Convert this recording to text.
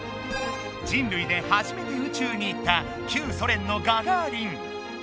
人類で初めて宇宙に行った旧ソ連のガガーリン。